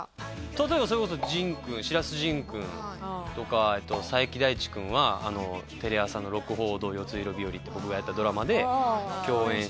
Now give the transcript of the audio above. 例えばそれこそ迅君白洲迅君とか佐伯大地君はテレ朝の『鹿楓堂よついろ日和』って僕がやったドラマで共演して。